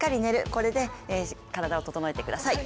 これで体を整えてください。